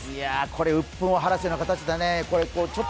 これうっぷんを晴らすような形だね。